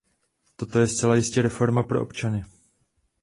Toto je zcela jistě reforma pro občany.